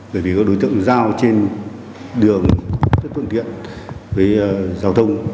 bởi vì có đối tượng giao trên đường rất phương tiện với giao thông